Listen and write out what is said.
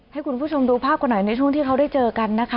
ให้คุณผู้ชมดูภาพกันหน่อยในช่วงที่เขาได้เจอกันนะคะ